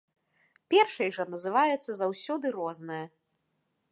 Першай жа называецца заўсёды рознае.